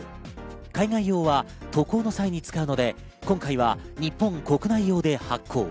海外用は渡航の際に使うので、今回は日本国内用で発行。